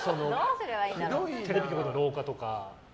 テレビ局の廊下とか。